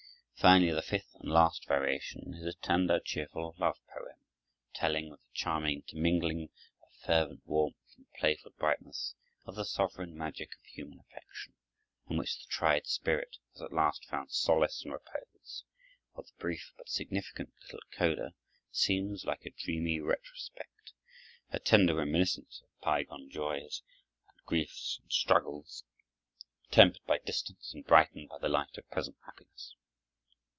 Finally, the fifth and last variation is a tender, cheerful love poem, telling, with a charming intermingling of fervent warmth and playful brightness, of the sovereign magic of human affection, in which the tried spirit has at last found solace and repose; while the brief but significant little coda seems like a dreamy retrospect, a tender reminiscence of bygone joys, and griefs, and struggles, tempered by distance and brightened by the light of present happiness.